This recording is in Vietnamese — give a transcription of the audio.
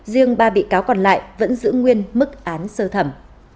các bị cáo còn lại vẫn giữ nguyên mức án sơ thẩm